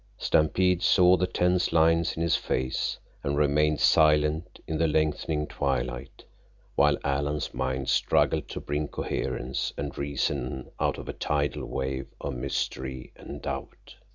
Stampede saw the tense lines in his face and remained silent in the lengthening twilight, while Alan's mind struggled to bring coherence and reason out of a tidal wave of mystery and doubt.